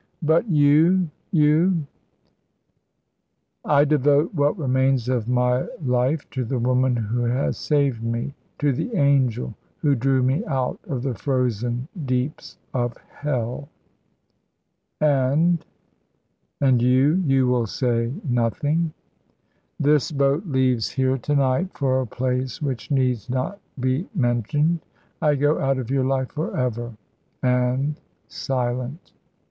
"But you you " "I devote what remains of my life to the woman who has saved me to the angel who drew me out of the frozen deeps of hell." "And and you you will say nothing?" "This boat leaves here to night for a place which need not be mentioned. I go out of your life for ever, and silent."